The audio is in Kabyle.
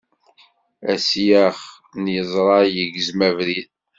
Asyax n yeẓṛa igzem abrid.